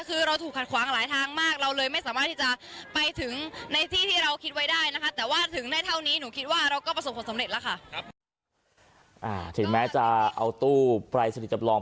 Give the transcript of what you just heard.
คือเราถูกขัดขวางหลายทางมากเราเลยไม่สามารถที่จะไปถึง